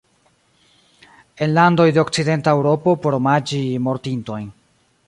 En landoj de Okcidenta Eŭropo por omaĝi mortintojn.